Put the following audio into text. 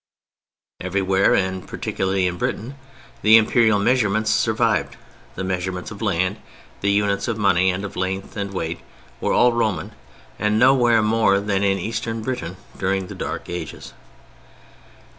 Everywhere, and particularly in Britain, the Imperial measurements survived—the measurement of land, the units of money and of length and weight were all Roman, and nowhere more than in Eastern Britain during the Dark Ages.